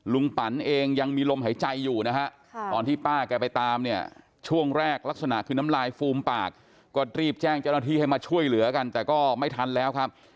ลุงปัญญ์เองยังมีลมหายใจอยู่นะคะตอนที่ป้าให่ไปตามช่วงแรกลักษณะคือน้ำลายฟูมปากใจโดยมันช่วยเหลือกันแต่ก็ไม่ทันแล้วครับ